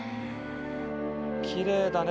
きれいだね